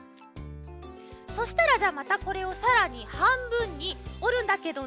そしたらじゃあまたこれをさらにはんぶんにおるんだけどね